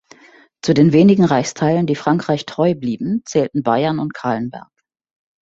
Zu den wenigen Reichsteilen, die Frankreich treu blieben, zählten Bayern und Calenberg.